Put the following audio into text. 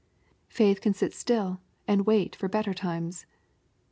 Faith can sit still and wait for better times.